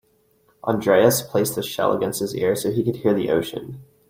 Andreas placed the shell against his ear so he could hear the ocean.